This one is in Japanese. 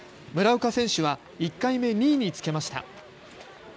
村岡選手は１回目２位につけました。